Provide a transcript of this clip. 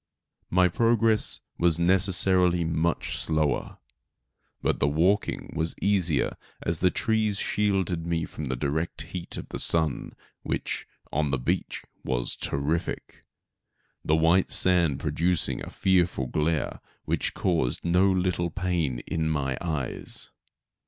My progress was necessarily much slower, but the walking was easier as the trees shielded me from the direct heat of the sun, which, on the beach was terrific, the white sand producing a fearful glare which caused no little pain in my eyes.